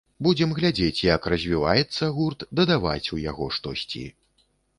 Будзем глядзець, як развіваецца гурт, дадаваць у яго штосьці.